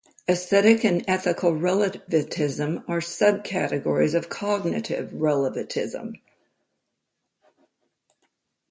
Aesthetic and ethical relativism are sub-categories of Cognitive Relativism.